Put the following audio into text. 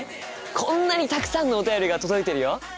こんなにたくさんのお便りが届いてるよ！